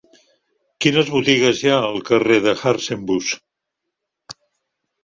Quines botigues hi ha al carrer de Hartzenbusch?